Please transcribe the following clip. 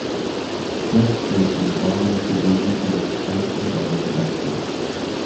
Struts go from the bottom of the bogey pivot out and under the axle.